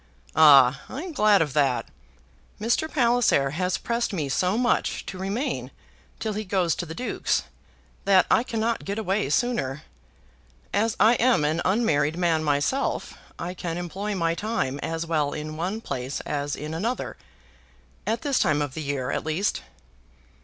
"Ah I'm glad of that. Mr. Palliser has pressed me so much to remain till he goes to the Duke's, that I cannot get away sooner. As I am an unmarried man myself, I can employ my time as well in one place as in another; at this time of the year at least."